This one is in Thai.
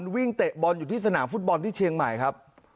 เตะบอลอยู่ที่สนามฟุตบอลที่เชียงใหม่ครับ